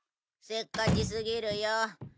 せっかちすぎるよ。